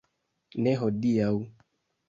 Ne hodiaŭ.